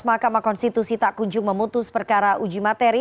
mahkamah konstitusi tak kunjung memutus perkara uji materi